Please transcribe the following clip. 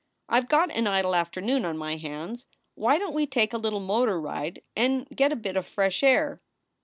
I ve got an idle afternoon on my hands. Why don t we take a little motor ride and get a bit of fresh air?"